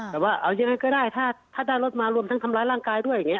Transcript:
แต่ว่าเอายังไงก็ได้ถ้าได้รถมารวมทั้งทำร้ายร่างกายด้วยอย่างนี้